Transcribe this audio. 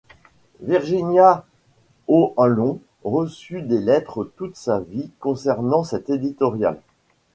Virginia O'Hanlon reçut des lettres toute sa vie concernant cet éditorial.